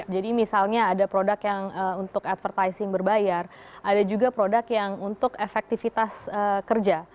jadi misalnya ada produk yang untuk advertising berbayar ada juga produk yang untuk efektivitas kerja